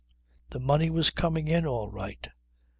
"The money was coming in all right."